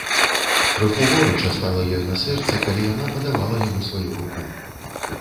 Крыху горача стала ёй на сэрцы, калі яна падавала яму сваю руку.